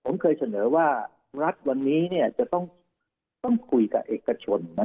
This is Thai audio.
ผมเคยเสนอว่ารัฐวันนี้จะต้องคุยกับเอกชน